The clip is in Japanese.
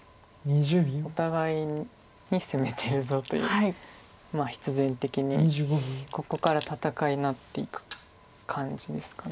お互いに攻めてるぞという必然的にここから戦いになっていく感じですか。